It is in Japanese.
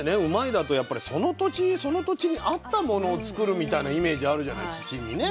だとその土地その土地に合ったものを作るみたいなイメージあるじゃない土にね。